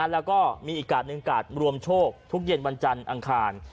แล้วก็มีอีกกาดหนึ่งกาดรวมโชคทุกเย็นวันจันทร์อังคาร